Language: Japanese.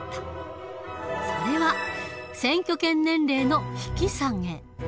それは選挙権年齢の引き下げ。